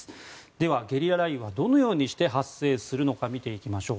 では、ゲリラ雷雨はどのようにして発生するのか見ていきましょう。